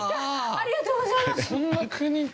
ありがとうございます。